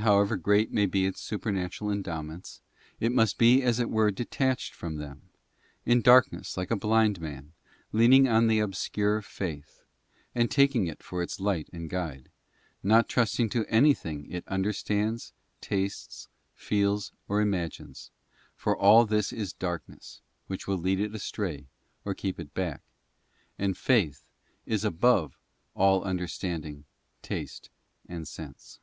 however great may be its supernatural endowments, it must be as it were detached from them, in darkness like a blind man, leaning on the obscure faith, and taking it for its light and guide; not trusting to anything it understands, tastes, feels, or imagines—for all this is darkness, which will lead it astray, or keep it back; and faith is above all understanding, taste, and sense.